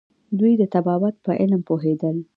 دوی د طبابت په علم پوهیدل